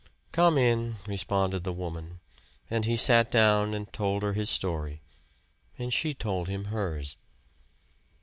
"Come in," responded the woman; and he sat down and told her his story. And she told him hers.